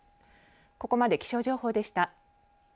ここまで気象情報でした。